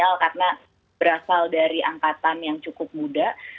kapolri milenial karena berasal dari angkatan yang cukup muda